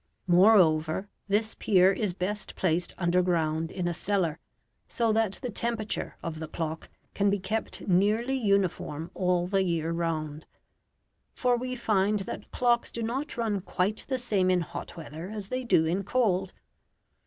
Moreover, this pier is best placed underground in a cellar, so that the temperature of the clock can be kept nearly uniform all the year round; for we find that clocks do not run quite the same in hot weather as they do in cold.